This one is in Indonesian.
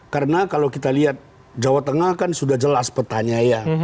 karena kalau kita lihat jawa tengah kan sudah jelas petanya ya